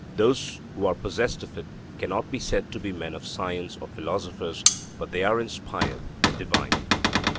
Those who are possessed of it cannot be said to be men of science or philosophers, but they are inspired and divine.